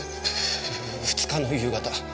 ２日の夕方。